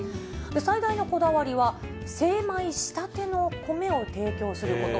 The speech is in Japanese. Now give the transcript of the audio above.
最大のこだわりは、精米したての米を提供すること。